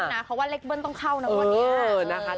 คุ้นนะเพราะว่าเล็กเบิ้ลต้องเข้าน้วนเนี่ย